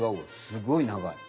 すごい長い。